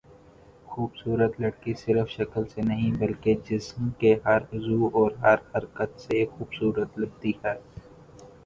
خوبصورت لڑکی صرف شکل سے نہیں بلکہ جسم کے ہر عضو اور ہر حرکت سے خوبصورت لگتی ہے